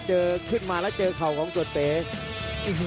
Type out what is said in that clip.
เกิดมาแล้วเจอเข่าของตัวเตะ